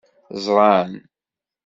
Ẓran.